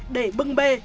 để bưng bê